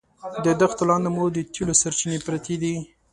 د دښتو لاندې مو د تېلو سرچینې پرتې دي.